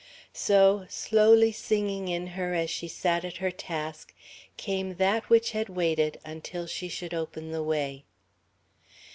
So, slowly singing in her as she sat at her task, came that which had waited until she should open the way....